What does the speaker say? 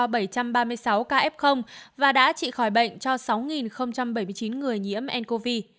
tp cn đang điều trị cho bảy trăm ba mươi sáu ca f và đã trị khỏi bệnh cho sáu bảy mươi chín người nhiễm ncov